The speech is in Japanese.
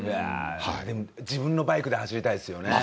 でも自分のバイクで走りたいですよね。